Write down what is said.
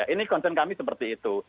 ini concern kami seperti itu